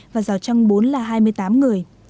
và rào trăng bốn là hai mươi tám người